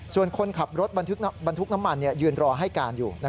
ส่วนคนขับรถบรรทุกน้ำมันยืนรอให้การอยู่